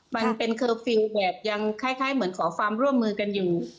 มันเป็นเคอร์ฟิลล์แบบยังคล้ายเหมือนขอความร่วมมือกันอยู่